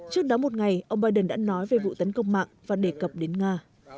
trước đó một ngày ông biden đã nói về vụ tấn công mạng và đề cập đến nga